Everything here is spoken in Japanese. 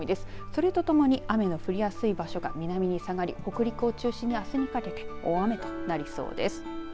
それとともに雨の降りやすい場所が南に下がり北陸を中心にあすにかけて大雨となりそうです。